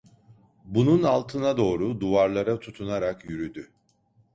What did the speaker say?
Bunun altına doğru, duvarlara tutunarak yürüdü.